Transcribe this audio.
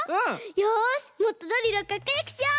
よしもっとドリルをかっこよくしよう！